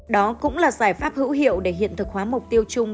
đó cũng là giải pháp hữu hiệu để hiện thực hóa mục tiêu chung